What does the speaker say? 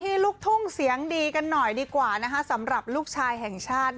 ลูกทุ่งเสียงดีกันหน่อยดีกว่านะคะสำหรับลูกชายแห่งชาติ